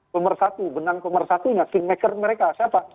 pemer satu benang pemersatunya skin maker mereka siapa